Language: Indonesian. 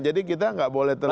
jadi kita gak boleh terlalu